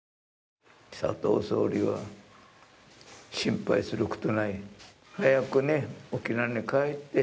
佐藤総理は、心配することない早くね、沖縄に帰って